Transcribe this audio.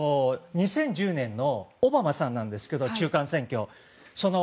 ２０１０年のオバマさんなんですけど中間選挙の。